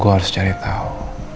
gue harus cari tahu